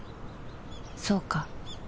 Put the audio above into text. そうか